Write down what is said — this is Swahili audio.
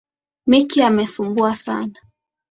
Micky anasumbua Sana.